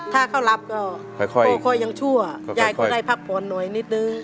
ถ้าเขารับก็ค่อยยังชั่วยายก็ได้พักผ่อนหน่อยนิดนึง